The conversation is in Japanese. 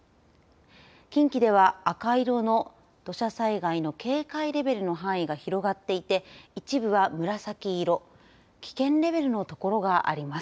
近畿では赤色の土砂災害の警戒レベルの範囲が広がっていて一部は紫色、危険レベルのところがあります。